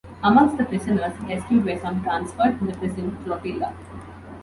Amongst the prisoners rescued were some transferred from the prison flotilla.